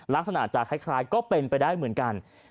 ลักษณะจะคล้ายก็เป็นไปได้เหมือนกัน